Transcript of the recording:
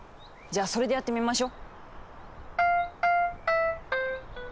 じゃあそれでやってみましょ。